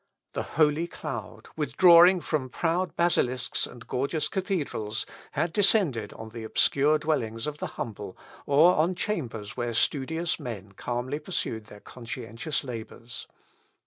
The holy cloud, withdrawing from proud basilisks and gorgeous cathedrals, had descended on the obscure dwellings of the humble, or on chambers where studious men calmly pursued their conscientious labours.